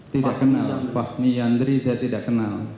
tidak kenal fahmi yandri saya tidak kenal